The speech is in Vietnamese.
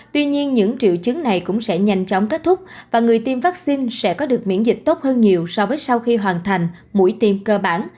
tuy nhiên những triệu chứng này cũng sẽ nhanh chóng kết thúc và người tiêm vaccine sẽ có được miễn dịch tốt hơn nhiều so với sau khi hoàn thành mũi tiêm cơ bản